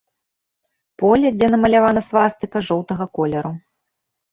Поле, дзе намалявана свастыка, жоўтага колеру.